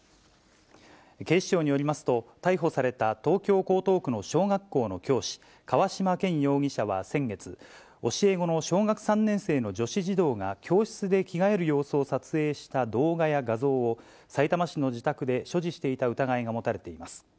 警視庁によりますと、逮捕された東京・江東区の小学校の教師、河嶌健容疑者は先月、教え子の小学３年生の女子児童が教室で着替える様子を撮影した動画や画像を、さいたま市の自宅で所持していた疑いが持たれています。